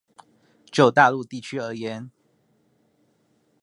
就大陸地區而言